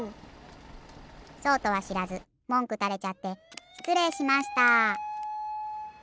そうとはしらずもんくたれちゃってしつれいしました。